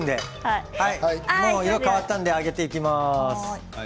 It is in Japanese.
色が変わったのであげていきます。